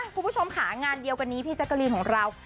ผู้ชมขางานเดียวกันนี้พี่แจ๊กกาลีนของเรา